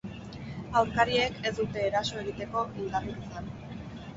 Aurkariek ez dute eraso egiteko indarrik izan.